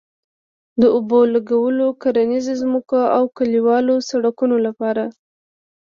د اوبه لګولو، کرنيزو ځمکو او کلیوالو سړکونو لپاره